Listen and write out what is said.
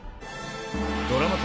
ドラマ化